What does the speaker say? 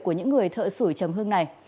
của những người thợ sủi trầm hương này